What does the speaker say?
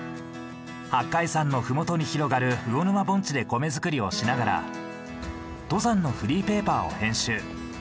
八海山の麓に広がる魚沼盆地で米作りをしながら登山のフリーペーパーを編集。